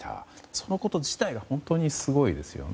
そのこと自体が本当にすごいですよね。